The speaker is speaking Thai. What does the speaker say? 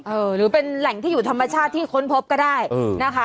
หรือเป็นแหล่งที่อยู่ธรรมชาติที่ค้นพบก็ได้นะคะ